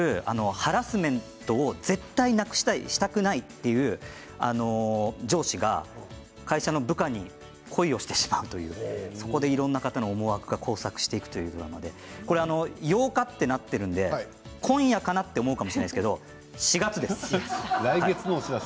ハラスメントを絶対になくしたい、したくないという上司が会社の部下に恋をしてしまうというそこで、いろんな方の思惑が交錯していくという８日となっているので今夜かな？と思うかも来月のお知らせ。